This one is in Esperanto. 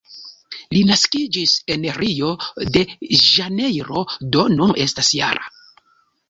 Li naskiĝis en Rio-de-Ĵanejro, do nun estas -jara.